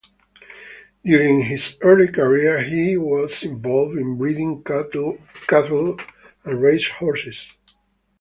During his early career he was involved in breeding cattle and race horses.